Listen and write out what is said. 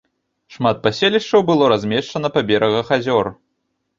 Шмат паселішчаў было размешчана па берагах азёр.